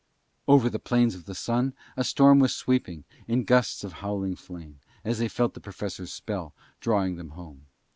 Over the plains of the Sun a storm was sweeping in gusts of howling flame as they felt the Professor's spell drawing them home.